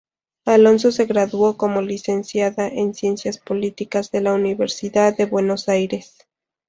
Alonso se graduó como licenciada en Ciencias Políticas de la Universidad de Buenos Aires.